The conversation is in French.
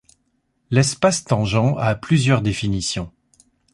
L'espace tangent a plusieurs définitions.